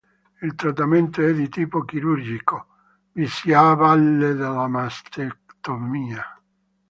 Il trattamento è di tipo chirurgico, vi si avvale della mastectomia.